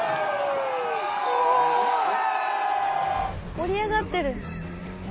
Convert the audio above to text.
盛り上がってる。